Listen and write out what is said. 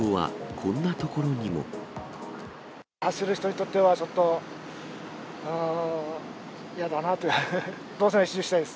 走る人にとってはちょっと、嫌だなと。